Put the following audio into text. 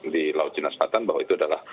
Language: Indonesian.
di laut cina selatan bahwa itu adalah